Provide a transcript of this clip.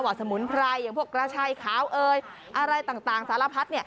สมุนไพรอย่างพวกกระชายขาวเอยอะไรต่างสารพัด